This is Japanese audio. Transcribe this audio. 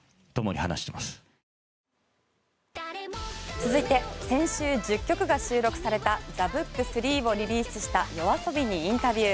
続いて先週、１０曲が収録された「ＴＨＥＢＯＯＫ３」をリリースしたＹＯＡＳＯＢＩにインタビュー。